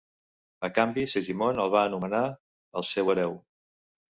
A canvi Segimon el va nomenar el seu hereu.